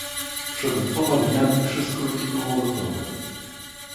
"Przed dwoma dniami wszystko już było gotowe."